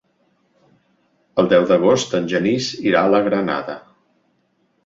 El deu d'agost en Genís irà a la Granada.